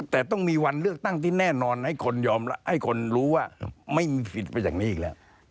แต่ต้องมีวันเลือกตั้งที่แน่นอนให้คนยอมให้คนรู้ว่าไม่มีผิดไปจากนี้อีกแล้ว